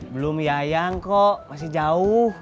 belum yayang kok masih jauh